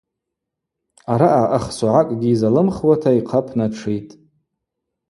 Араъа ахсогӏакӏгьи йзалымхуата йхъа пнатшитӏ.